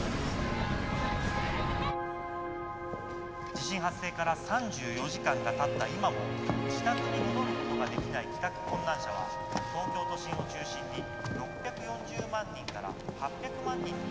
「地震発生から３４時間がたった今も自宅に戻ることができない帰宅困難者は東京都心を中心に６４０万人から８００万人に上ると見られています」。